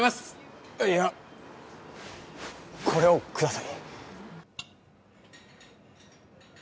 いやこれをください。